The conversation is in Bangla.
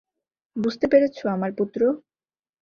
বুঝতে পেরেছ, আমার পুত্র?